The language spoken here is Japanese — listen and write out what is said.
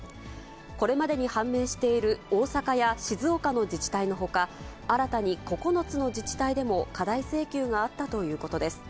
これまでに判明している大阪や静岡の自治体のほか、新たに９つの自治体でも過大請求があったということです。